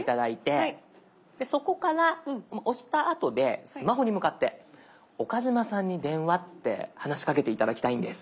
そこから押したあとでスマホに向かって「岡嶋さんに電話」って話しかけて頂きたいんです。